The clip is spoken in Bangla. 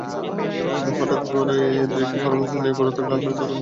কিন্তু হঠাৎ করে এক-দুটি পারফরম্যান্স নিয়ে পড়ে থাকলে আসলে চলবে না।